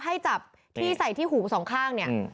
ให้จับที่ใส่ที่หูสองข้างเนี่ย